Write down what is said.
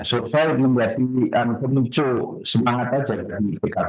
so far ini merupakan penunjuk semangat aja dari pkp